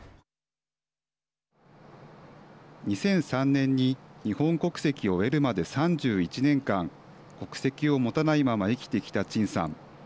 ２００３年に日本国籍を得るまで３１年間、国籍を持たないまま生きてきた陳さん。